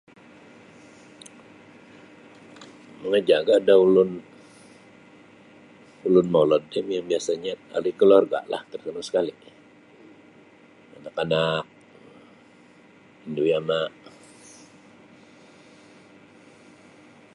Mamajaga' da ulun ulun molod ti um biasanya' ahli kaluarga'lah terutama' sakali' anak-anak indu yama'.